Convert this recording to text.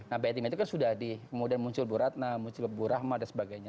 nah batime itu kan sudah kemudian muncul bu ratna muncul bu rahma dan sebagainya